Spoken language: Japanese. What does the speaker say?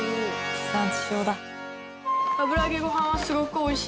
地産地消だ。